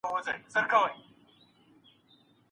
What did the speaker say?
ورزش مو عضلات پیاوړي کوي.